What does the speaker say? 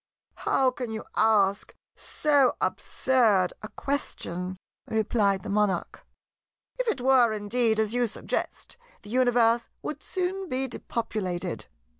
"How can you ask so absurd a question?" replied the Monarch. "If it were indeed as you suggest, the Universe would soon be depopulated.